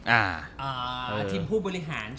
ทีมผู้บริหาร